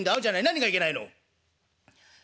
何がいけないの？」。